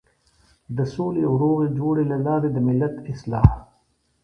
د سولې او روغې جوړې له لارې د ملت اصلاح.